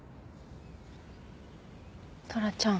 トラちゃん。